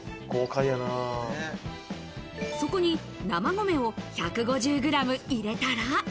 そこに生米を１５０グラム入れたら。